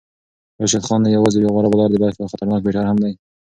راشد خان نه یوازې یو غوره بالر بلکې یو خطرناک بیټر هم دی.